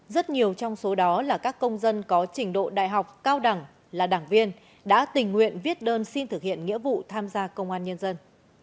rất nhiều trong số đó là các công dân có trình độ đại học cao đẳng là đảng viên đã tình nguyện viết đơn xin thực hiện nghĩa vụ tham gia công an nhân dân